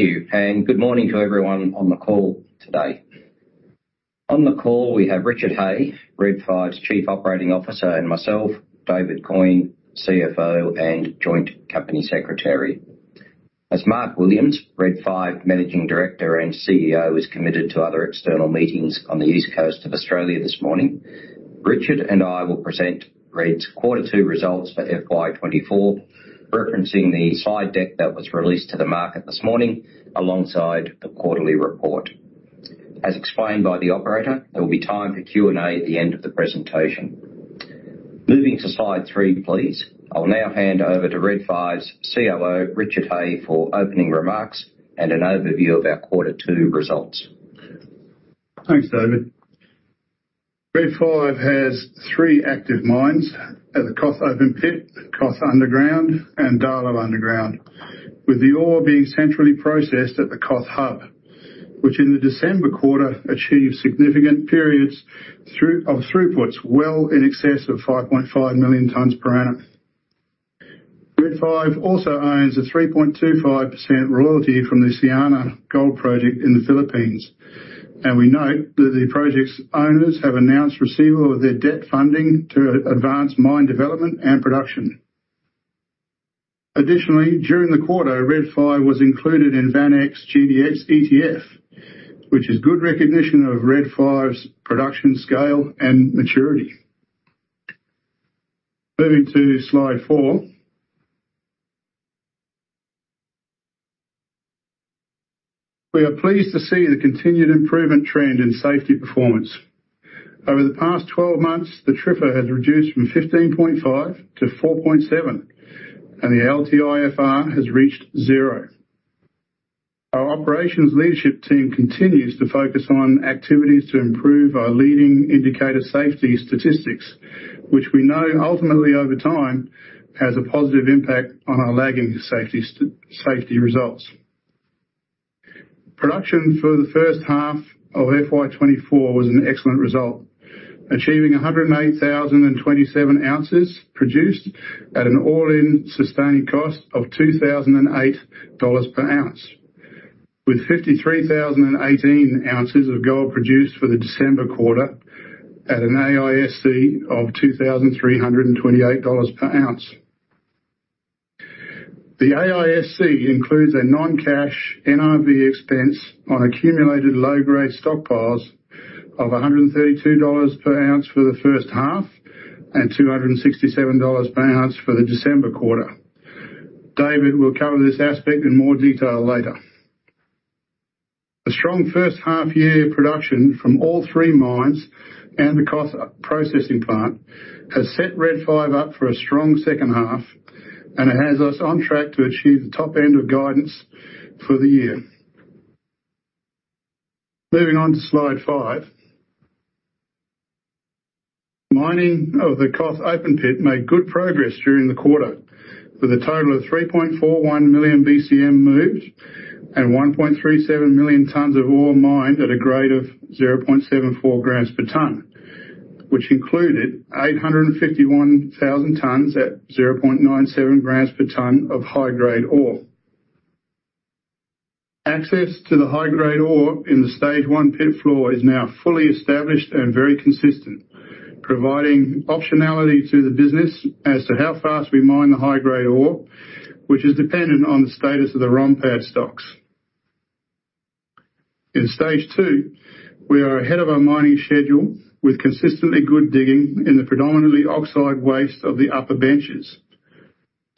Thank you, and good morning to everyone on the call today. On the call, we have Richard Hay, Red 5's Chief Operating Officer, and myself, David Coyne, CFO and Joint Company Secretary. As Mark Williams, Red 5 Managing Director and CEO, is committed to other external meetings on the East Coast of Australia this morning, Richard and I will present Red's Quarter Two results for FY 2024, referencing the slide deck that was released to the market this morning alongside the quarterly report. As explained by the operator, there will be time for Q&A at the end of the presentation. Moving to slide 3, please. I'll now hand over to Red 5's COO, Richard Hay, for opening remarks and an overview of our Quarter Two results. Thanks, David. Red 5 has three active mines at the KOTH Open Pit, KOTH Underground, and Darlot Underground, with the ore being centrally processed at the KOTH Hub, which in the December quarter, achieved significant periods of throughputs well in excess of 5.5 million tonnes per annum. Red 5 also owns a 3.25% royalty from the Siana Gold Project in the Philippines, and we note that the project's owners have announced receipt of their debt funding to advance mine development and production. Additionally, during the quarter, Red 5 was included in VanEck's GDX ETF, which is good recognition of Red 5's production, scale, and maturity. Moving to Slide 4. We are pleased to see the continued improvement trend in safety performance. Over the past 12 months, the TRIFR has reduced from 15.5 to 4.7, and the LTIFR has reached 0. Our operations leadership team continues to focus on activities to improve our leading indicator safety statistics, which we know ultimately, over time, has a positive impact on our lagging safety results. Production for the first half of FY 2024 was an excellent result, achieving 108,027 ounces produced at an all-in sustaining cost of 2,008 dollars per ounce, with 53,018 ounces of gold produced for the December quarter at an AISC of 2,328 dollars per ounce. The AISC includes a non-cash NRV expense on accumulated low-grade stockpiles of 132 dollars per ounce for the first half and 267 dollars per ounce for the December quarter. David will cover this aspect in more detail later. The strong first half year production from all three mines and the KOTH processing plant has set Red 5 up for a strong second half, and it has us on track to achieve the top end of guidance for the year. Moving on to Slide 5. Mining of the KOTH open pit made good progress during the quarter, with a total of 3.41 million BCM moved and 1.37 million tonnes of ore mined at a grade of 0.74 grams per tonne, which included 851,000 tonnes at 0.97 grams per tonne of high-grade ore. Access to the high-grade ore in the Stage One pit floor is now fully established and very consistent, providing optionality to the business as to how fast we mine the high-grade ore, which is dependent on the status of the ROM pad stocks. In Stage Two, we are ahead of our mining schedule with consistently good digging in the predominantly oxide waste of the upper benches.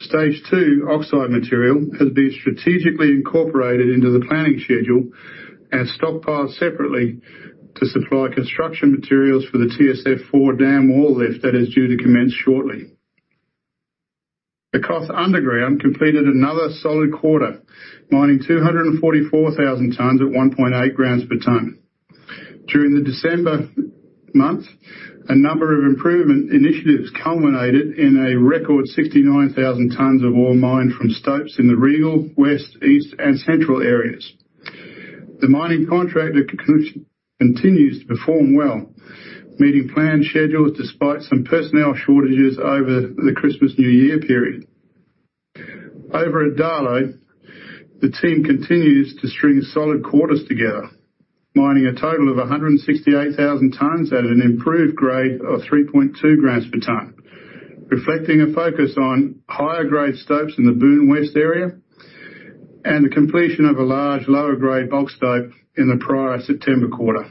Stage Two oxide material has been strategically incorporated into the planning schedule and stockpiled separately to supply construction materials for the TSF4 dam wall lift that is due to commence shortly. The KOTH Underground completed another solid quarter, mining 244,000 tonnes at 1.8 grams per tonne. During the December month, a number of improvement initiatives culminated in a record 69,000 tonnes of ore mined from stopes in the Regal, West, East, and Central areas. The mining contract continues to perform well, meeting planned schedules despite some personnel shortages over the Christmas-New Year period. Over at Darlot, the team continues to string solid quarters together, mining a total of 168,000 tonnes at an improved grade of 3.2 grams per tonne, reflecting a focus on higher-grade stopes in the Boon West area and the completion of a large lower-grade bulk stope in the prior September quarter.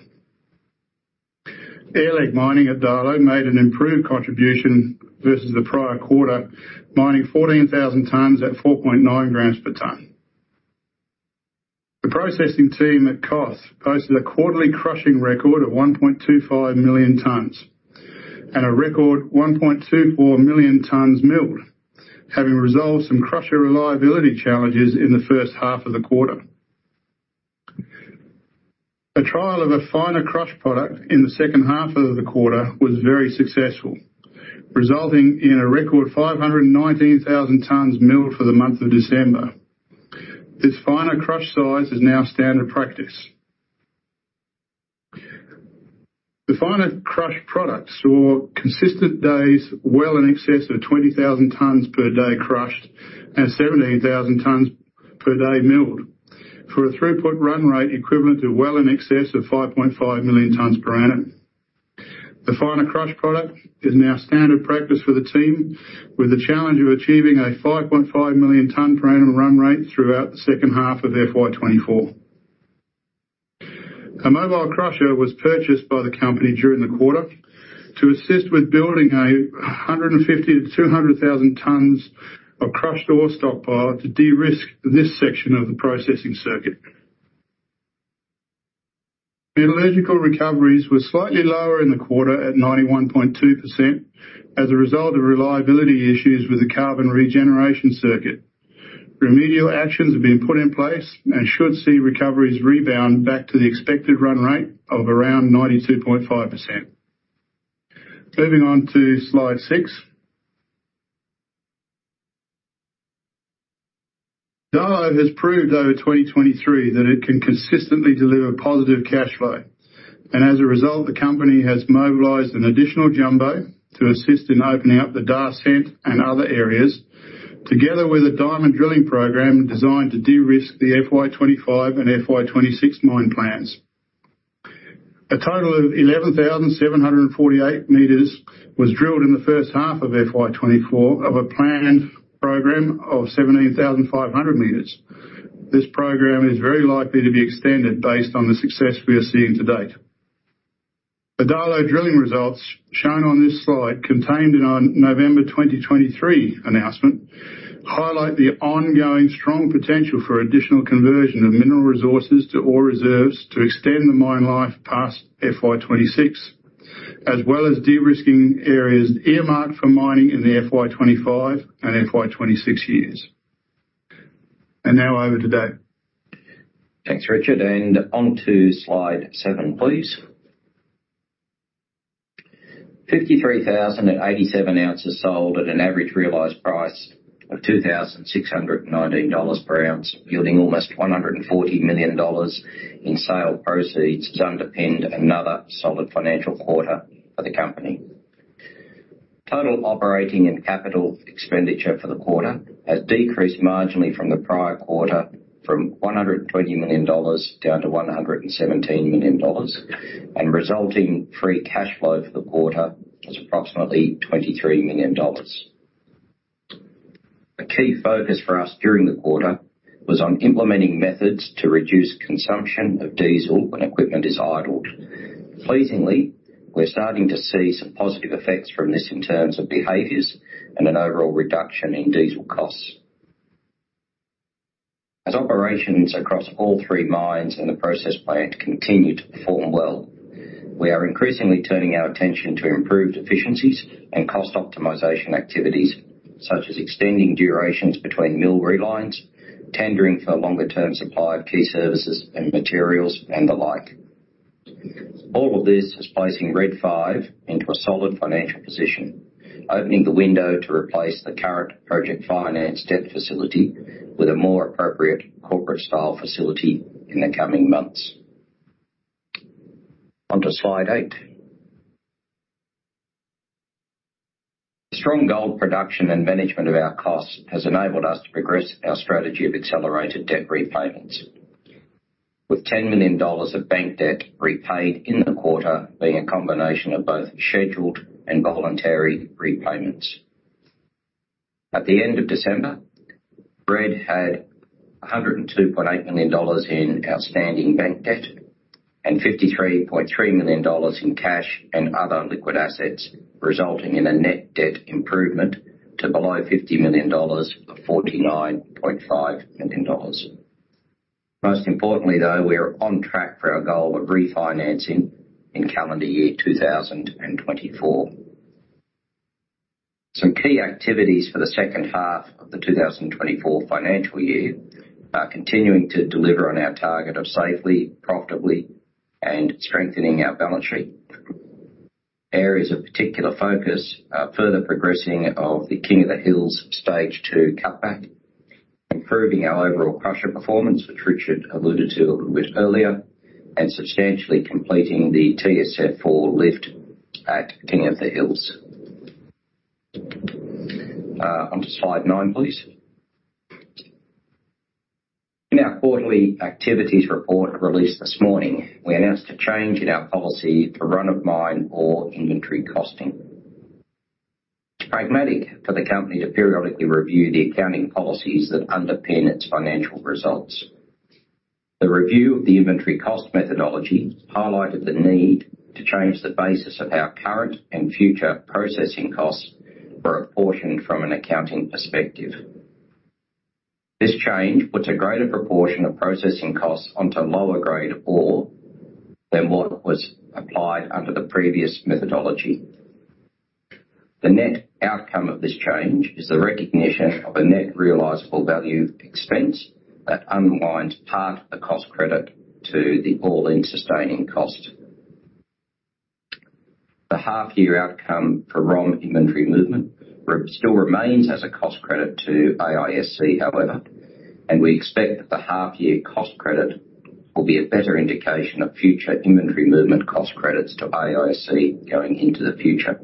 Airleg mining at Darlot made an improved contribution versus the prior quarter, mining 14,000 tonnes at 4.9 grams per tonne. The processing team at KOTH posted a quarterly crushing record of 1.25 million tonnes and a record 1.24 million tonnes milled, having resolved some crusher reliability challenges in the first half of the quarter. A trial of a finer crush product in the second half of the quarter was very successful, resulting in a record 519,000 tonnes milled for the month of December. This finer crush size is now standard practice. The finer crush product saw consistent days well in excess of 20,000 tonnes per day crushed and 17,000 tonnes per day milled, for a throughput run rate equivalent to well in excess of 5.5 million tonnes per annum. The finer crush product is now standard practice for the team, with the challenge of achieving a 5.5 million tonnes per annum run rate throughout the second half of FY 2024. A mobile crusher was purchased by the company during the quarter to assist with building 150,000-200,000 tonnes of crushed ore stockpile to de-risk this section of the processing circuit. Metallurgical recoveries were slightly lower in the quarter at 91.2% as a result of reliability issues with the carbon regeneration circuit. Remedial actions have been put in place and should see recoveries rebound back to the expected run rate of around 92.5%. Moving on to slide 6. Darlot has proved over 2023 that it can consistently deliver positive cash flow, and as a result, the company has mobilized an additional jumbo to assist in opening up the Dar-Cent and other areas, together with a diamond drilling program designed to de-risk the FY 2025 and FY 2026 mine plans. A total of 11,748 meters was drilled in the first half of FY 2024, of a planned program of 17,500 meters. This program is very likely to be extended based on the success we are seeing to date. The Darlot drilling results shown on this slide, contained in our November 2023 announcement, highlight the ongoing strong potential for additional conversion of mineral resources to ore reserves to extend the mine life past FY 2026, as well as de-risking areas earmarked for mining in the FY 2025 and FY 2026 years. Now over to Dave. Thanks, Richard, and on to slide seven, please. 53,087 ounces sold at an average realized price of $2,619 per ounce, yielding almost $140 million in sale proceeds to underpin another solid financial quarter for the company. Total operating and capital expenditure for the quarter has decreased marginally from the prior quarter, from $120 million down to $117 million, and resulting free cash flow for the quarter was approximately $23 million. A key focus for us during the quarter was on implementing methods to reduce consumption of diesel when equipment is idled. Pleasingly, we're starting to see some positive effects from this in terms of behaviors and an overall reduction in diesel costs. As operations across all three mines and the process plant continue to perform well, we are increasingly turning our attention to improved efficiencies and cost optimization activities, such as extending durations between mill relines, tendering for longer term supply of key services and materials, and the like. All of this is placing Red 5 into a solid financial position, opening the window to replace the current project finance debt facility with a more appropriate corporate-style facility in the coming months. On to slide 8. Strong gold production and management of our costs has enabled us to progress our strategy of accelerated debt repayments, with 10 million dollars of bank debt repaid in the quarter, being a combination of both scheduled and voluntary repayments. At the end of December, Red had 102.8 million dollars in outstanding bank debt and 53.3 million dollars in cash and other liquid assets, resulting in a net debt improvement to below 50 million dollars of 49.5 million dollars. Most importantly, though, we are on track for our goal of refinancing in calendar year 2024. Some key activities for the second half of the 2024 financial year are continuing to deliver on our target of safely, profitably, and strengthening our balance sheet. Areas of particular focus are further progressing of the King of the Hills Stage Two cutback, improving our overall crusher performance, which Richard alluded to a little bit earlier, and substantially completing the TSF4 lift at King of the Hills. Onto slide nine, please. In our quarterly activities report released this morning, we announced a change in our policy for run-of-mine ore inventory costing. It's pragmatic for the company to periodically review the accounting policies that underpin its financial results. The review of the inventory cost methodology highlighted the need to change the basis of our current and future processing costs for apportioned from an accounting perspective. This change puts a greater proportion of processing costs onto lower grade ore than what was applied under the previous methodology. The net outcome of this change is the recognition of a net realizable value expense that unwinds part of the cost credit to the all-in sustaining cost. The half year outcome for ROM inventory movement. It still remains as a cost credit to AISC, however, and we expect that the half year cost credit will be a better indication of future inventory movement cost credits to AISC going into the future.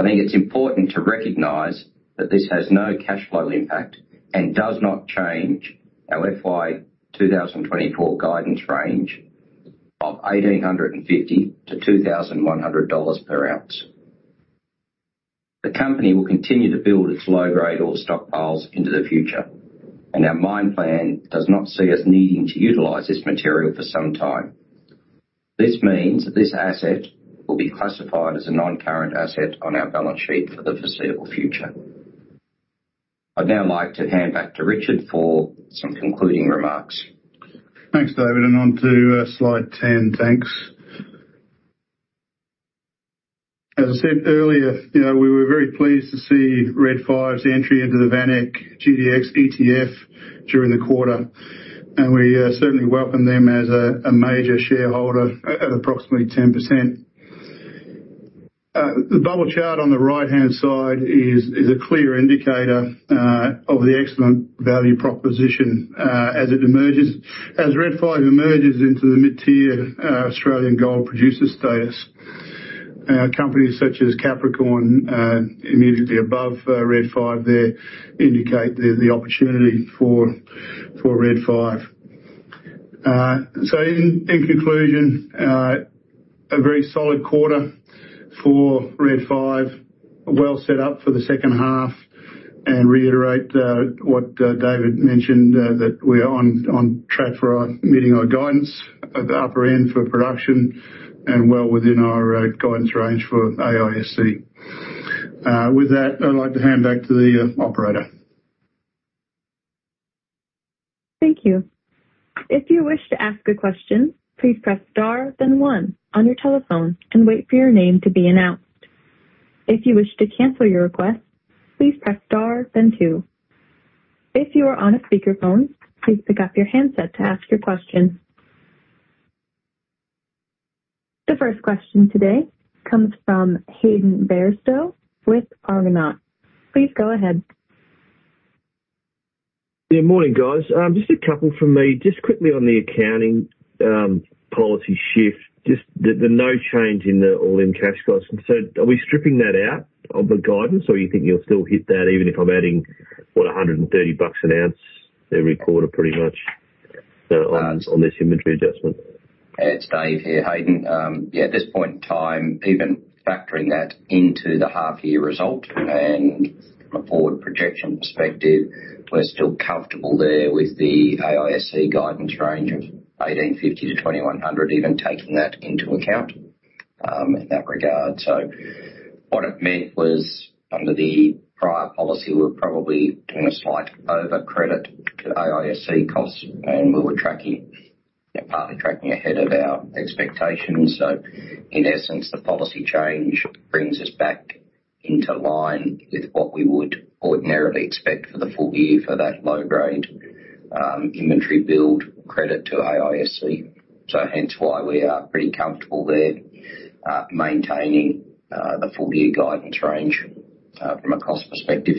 I think it's important to recognize that this has no cash flow impact and does not change our FY 2024 guidance range of $1,850-$2,100 per ounce. The company will continue to build its low-grade ore stockpiles into the future, and our mine plan does not see us needing to utilize this material for some time. This means that this asset will be classified as a non-current asset on our balance sheet for the foreseeable future. I'd now like to hand back to Richard for some concluding remarks. Thanks, David, and on to slide 10. Thanks. As I said earlier, you know, we were very pleased to see Red 5's entry into the VanEck GDX ETF during the quarter, and we certainly welcome them as a major shareholder at approximately 10%. The bubble chart on the right-hand side is a clear indicator of the excellent value proposition as it emerges. As Red 5 emerges into the mid-tier Australian gold producer status, companies such as Capricorn immediately above Red 5 there indicate the opportunity for Red 5. So in conclusion, a very solid quarter for Red 5. Well set up for the second half and reiterate what David mentioned, that we are on track for our meeting our guidance at the upper end for production and well within our guidance range for AISC. With that, I'd like to hand back to the operator. Thank you. If you wish to ask a question, please press star then one on your telephone and wait for your name to be announced. If you wish to cancel your request, please press star then two. If you are on a speakerphone, please pick up your handset to ask your question. The first question today comes from Hayden Bairstow with Argonaut. Please go ahead. Yeah, morning, guys. Just a couple from me. Just quickly on the accounting policy shift, just no change in the all-in cash costs. So are we stripping that out of the guidance, or you think you'll still hit that, even if I'm adding, what? $130 an ounce every quarter, pretty much, on this inventory adjustment? It's Dave here, Hayden. Yeah, at this point in time, even factoring that into the half year result and from a forward projection perspective, we're still comfortable there with the AISC guidance range of 1,850-2,100, even taking that into account, in that regard. So what it meant was, under the prior policy, we're probably doing a slight over credit to AISC costs, and we were tracking, partly tracking ahead of our expectations. So in essence, the policy change brings us back into line with what we would ordinarily expect for the full year for that low-grade, inventory build credit to AISC. So hence why we are pretty comfortable there, maintaining, the full year guidance range, from a cost perspective.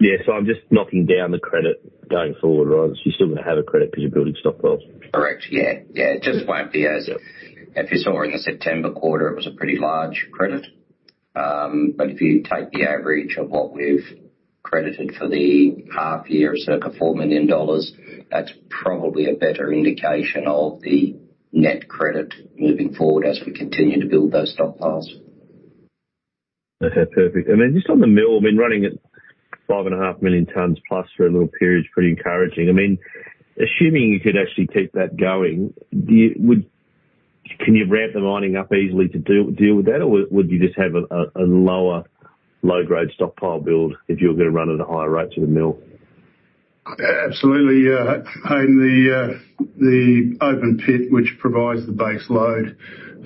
Yeah. So I'm just knocking down the credit going forward, right? So you're still going to have a credit because you're building stockpiles. Correct. Yeah. Yeah. It just won't be as if, if you saw in the September quarter, it was a pretty large credit. But if you take the average of what we've credited for the half year, circa 4 million dollars, that's probably a better indication of the net credit moving forward as we continue to build those stockpiles. Okay, perfect. Then just on the mill, I mean, running at 5.5 million tonnes plus for a little period is pretty encouraging. I mean, assuming you could actually keep that going, can you ramp the mining up easily to deal with that? Or would you just have a lower low-grade stockpile build if you were going to run at a higher rate to the mill? Absolutely. Yeah. And the open pit, which provides the base load,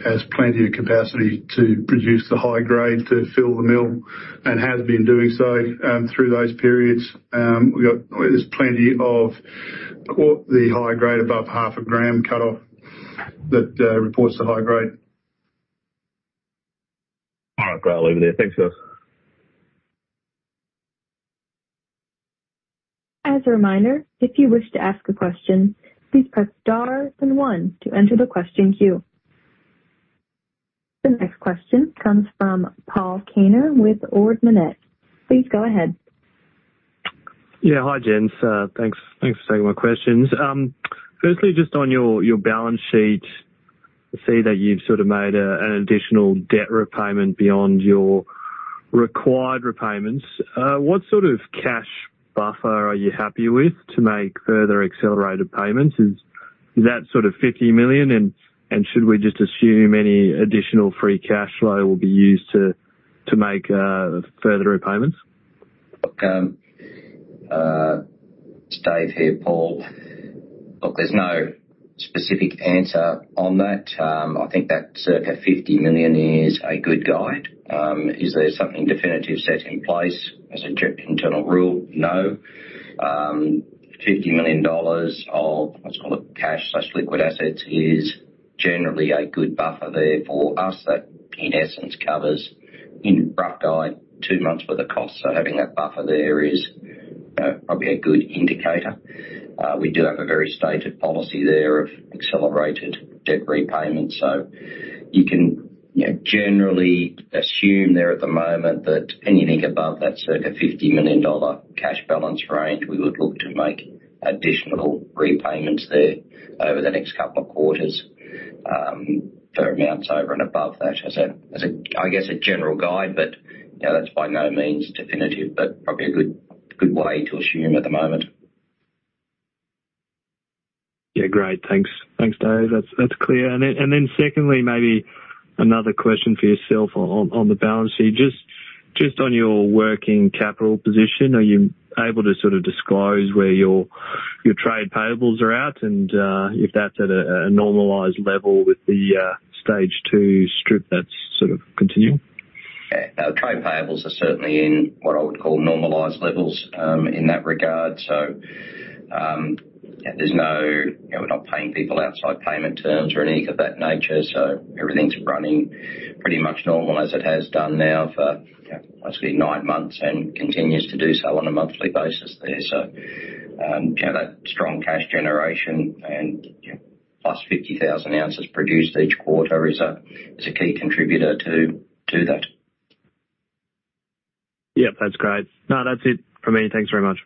has plenty of capacity to produce the high grade to fill the mill and has been doing so through those periods. There's plenty of the high grade above half a gram cut off that reports the high grade. All right, great over there. Thanks, guys. As a reminder, if you wish to ask a question, please press star then one to enter the question queue. The next question comes from Paul Kaner with Ord Minnett. Please go ahead. Yeah. Hi, gents. Thanks, thanks for taking my questions. Firstly, just on your balance sheet, I see that you've sort of made an additional debt repayment beyond your required repayments. What sort of cash buffer are you happy with to make further accelerated payments? Is that sort of 50 million? And should we just assume any additional free cash flow will be used to make further repayments? It's Dave here, Paul. Look, there's no specific answer on that. I think that circa 50 million is a good guide. Is there something definitive set in place as an internal rule? No. 50 million dollars of, let's call it cash slash liquid assets, is generally a good buffer there for us. That, in essence, covers, in rough guide, two months worth of costs. So having that buffer there is, you know, probably a good indicator. We do have a very stated policy there of accelerated debt repayment, so you can, you know, generally assume there at the moment that anything above that circa 50 million dollar cash balance range, we would look to make additional repayments there over the next couple of quarters, for amounts over and above that. As a, I guess, a general guide, but, you know, that's by no means definitive, but probably a good, good way to assume at the moment. Yeah, great. Thanks. Thanks, Dave. That's clear. And then secondly, maybe another question for yourself on the balance sheet. Just on your working capital position, are you able to sort of disclose where your trade payables are at and if that's at a normalized level with the stage two strip that's sort of continuing? Yeah. Our trade payables are certainly in what I would call normalized levels in that regard. So, there's no, you know, we're not paying people outside payment terms or anything of that nature, so everything's running pretty much normal as it has done now for, you know, mostly nine months and continues to do so on a monthly basis there. So, you know, that strong cash generation and, you know, +50,000 ounces produced each quarter is a key contributor to that. Yep, that's great. No, that's it for me. Thanks very much.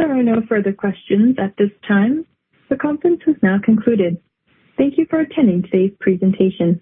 There are no further questions at this time. The conference is now concluded. Thank you for attending today's presentation.